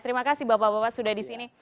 terima kasih bapak bapak sudah di sini